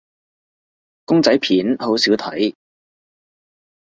公仔片好少睇